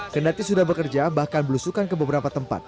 kendati sudah bekerja bahkan belusukan ke beberapa tempat